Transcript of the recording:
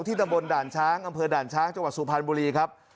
ตำบลด่านช้างอำเภอด่านช้างจังหวัดสุพรรณบุรีครับ